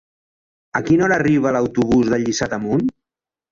A quina hora arriba l'autobús de Lliçà d'Amunt?